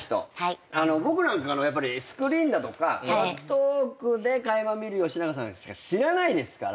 僕なんかスクリーンだとかトークで垣間見る吉永さんしか知らないですから。